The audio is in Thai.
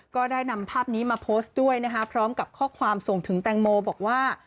ก็ได้นำภาพนี้มาโพสต์ด้วยนะคะพร้อมกับข้อความส่งถึงแตงโมบอกว่า